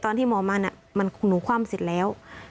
ตอนที่หมอมันหนูคว่ำเสร็จแล้ว